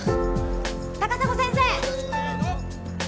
高砂先生！